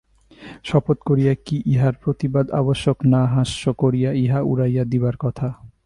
শপথ করিয়া কি ইহার প্রতিবাদ আবশ্যক, না হাস্য করিয়া ইহা উড়াইয়া দিবার কথা?